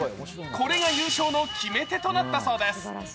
これが優勝の決め手となったそうです。